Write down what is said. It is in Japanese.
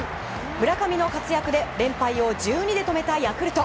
村上の活躍で連敗を１２で止めたヤクルト。